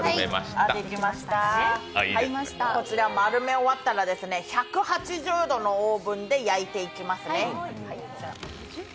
こちら丸め終わったら１８０度のオーブンで焼いていきますね。